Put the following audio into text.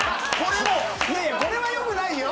これは良くないよ。